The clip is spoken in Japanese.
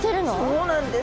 そうなんです。